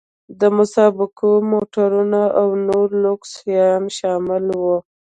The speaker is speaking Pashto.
د مسابقو موټرونه او نور لوکس شیان شامل وو.